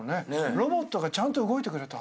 ロボットがちゃんと動いてくれた。